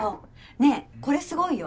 ねぇこれすごいよ。